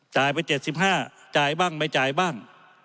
จ่ายไป๗๕จ่ายบ้างไม่จ่ายบ้าง